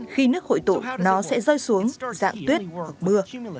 khi nước hội tụ nó sẽ rơi xuống dạng tuyết hoặc mưa